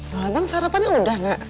nggak lah bang sarapannya udah nak